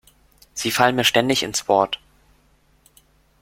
Sie fallen mir ständig ins Wort.